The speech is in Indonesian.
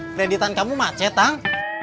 kreditan kamu macet tang